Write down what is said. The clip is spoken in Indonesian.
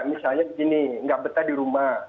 misalnya begini nggak betah di rumah